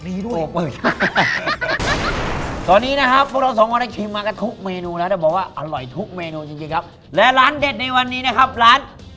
ประหละกฏของพวกเราจะเป็นอะไรครับ